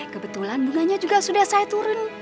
kebetulan bunganya juga sudah saya turun